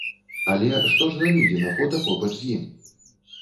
Але што ж за людзі на фота побач з ім?